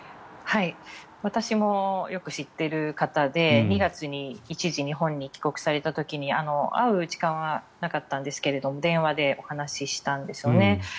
私もよく知っている方で２月に一時、日本に帰国された時に会う時間はなかったんですけれども電話でお話ししたんですよね。